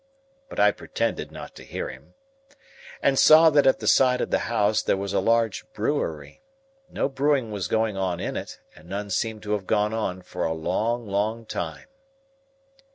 but I pretended not to hear him), and saw that at the side of the house there was a large brewery. No brewing was going on in it, and none seemed to have gone on for a long long time.